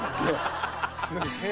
「すげえ！